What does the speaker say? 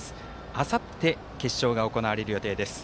あさって決勝が行われる予定です。